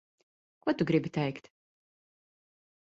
Ko tu gribi teikt?